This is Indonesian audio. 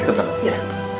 kita telat ya